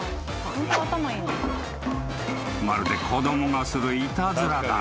［まるで子供がするいたずらだ］